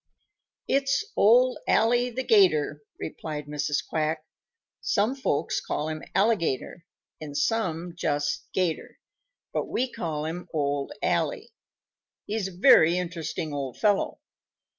"It's Old Ally the 'Gator," replied Mrs. Quack. "Some folks call him Alligator and some just 'Gator, but we call him Old Ally. He's a very interesting old fellow.